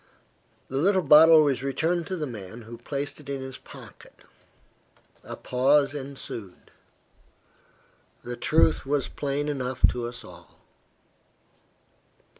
The little bottle was returned to the man, who placed it in his pocket. A pause ensued. The truth was plain enough to us all.